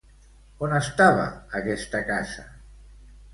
On estava aquesta casa?